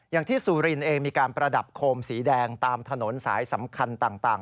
อย่างที่สุรินเองมีการประดับโคมสีแดงตามถนนสายสำคัญต่าง